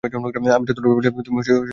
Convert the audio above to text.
আমি যতটা ভেবেছিলাম তুমি ততটা ভারীও নও।